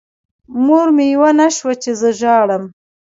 مور مې پوه نه شوه چې زه ژاړم.